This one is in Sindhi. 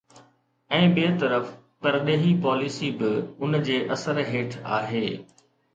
۽ ٻئي طرف پرڏيهي پاليسي به ان جي اثر هيٺ آهي.